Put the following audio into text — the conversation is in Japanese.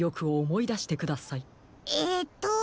えっと。